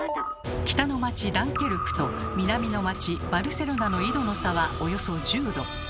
北の町ダンケルクと南の町バルセロナの緯度の差はおよそ１０度。